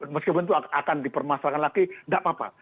meskipun itu akan dipermasalahkan lagi tidak apa apa